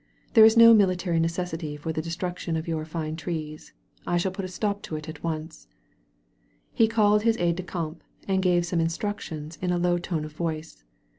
There is no military necessity for the destruc tion of your fine trees. I shall put a stop to it at once." He called his aide de camp and gave some in structions in a low tone of voice.